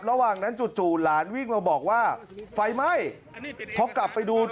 ระหว่างนั้นจู่จู่หลานวิ่งมาบอกว่าไฟไหม้พอกลับไปดู